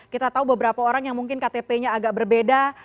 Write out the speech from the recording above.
kita tahu beberapa orang yang mungkin ktp nya agak berbeda